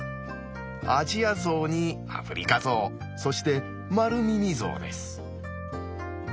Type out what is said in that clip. アジアゾウにアフリカゾウそしてマルミミゾウです。